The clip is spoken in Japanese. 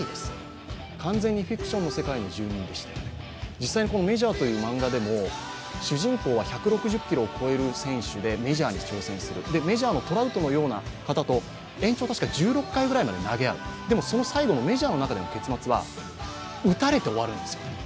実際に「ＭＡＪＯＲ」という漫画で主人公は１６０キロを超える選手でメジャーに挑戦する、メジャーのトラウトのような方と延長１６回ぐらいで投げ合う、でも「ＭＡＪＯＲ」のラストでは打たれて終わるんですよ。